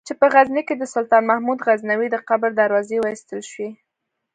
چې په غزني کې دې د سلطان محمود غزنوي د قبر دروازې وایستل شي.